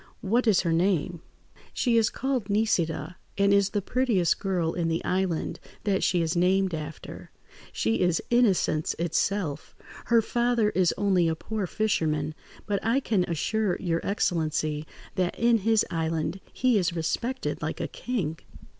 What is her name?" "She is called Nisida, and is the prettiest girl in the island that she is named after. She is innocence itself. Her father is only a poor fisherman, but I can assure your excellency that in his island he is respected like a king."